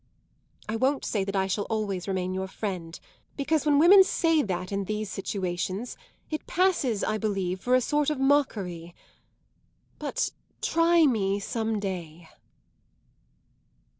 I won't say that I shall always remain your friend, because when women say that, in these situations, it passes, I believe, for a sort of mockery. But try me some day."